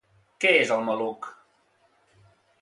Què és el maluc?